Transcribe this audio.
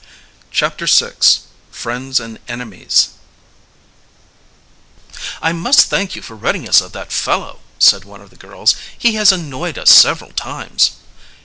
CHAPTER VI FRIENDS AND ENEMIES "I must thank you for ridding us of that fellow," said one of the girls. "He has annoyed us several times."